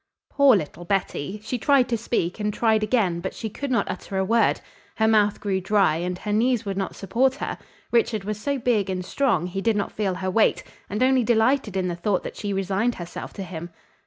Poor little Betty! She tried to speak and tried again, but she could not utter a word. Her mouth grew dry and her knees would not support her. Richard was so big and strong he did not feel her weight, and only delighted in the thought that she resigned herself to him.